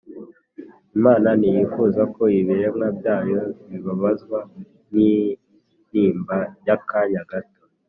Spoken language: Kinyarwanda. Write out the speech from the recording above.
Imana ntiyifuza ko ibiremwa byayo bibabazwa n’intimba y’akanya gato